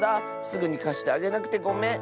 すぐにかしてあげなくてごめん！